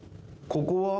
ここは？